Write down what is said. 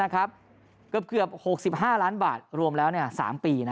เกือบ๖๕ล้านบาทรวมแล้ว๓ปี